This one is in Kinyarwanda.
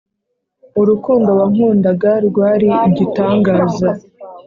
Urukundo wankundaga rwari igitangaza